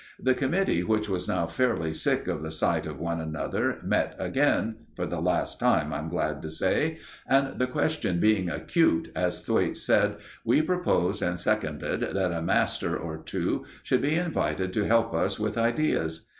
The committee, which was now fairly sick of the sight of one another, met again for the last time, I'm glad to say and the question being acute, as Thwaites said, we proposed and seconded that a master, or two, should be invited to help us with ideas.